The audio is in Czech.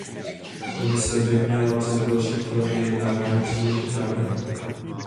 Komise by měla před dalším kolem vyjednávání předložit návrhy.